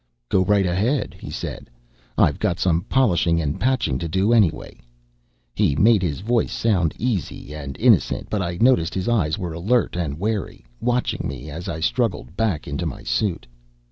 "Go right ahead," he said. "I've got some polishing and patching to do, anyway." He made his voice sound easy and innocent, but I noticed his eyes were alert and wary, watching me as I struggled back into my suit.